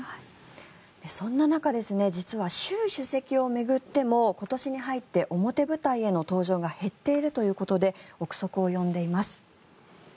そんな中、実は習主席を巡っても今年に入って表舞台への登場が減っているということで臆測を呼んでいます。